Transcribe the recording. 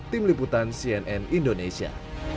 tim liputan cnn indonesia